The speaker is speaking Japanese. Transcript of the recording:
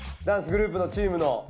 ダンスグループのチームの。